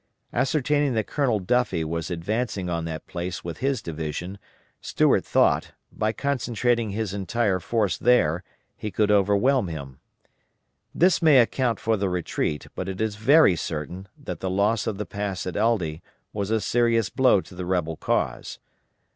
Ascertaining that Colonel Duffie was advancing on that place with his division, Stuart thought, by concentrating his entire force there, he could overwhelm him. This may account for the retreat, but it is very certain that the loss of the pass at Aldie was a serious blow to the rebel cause.